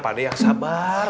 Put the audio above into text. padae yang sabar